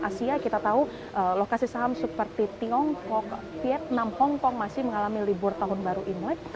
asia kita tahu lokasi saham seperti tiongkok vietnam hongkong masih mengalami libur tahun baru imlek